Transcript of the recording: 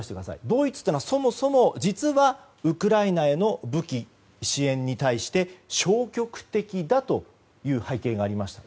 ドイツは、そもそも実はウクライナへの武器支援に対して消極的だという背景がありました。